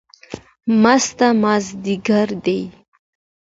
مست مازدیګر دی